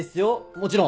もちろん。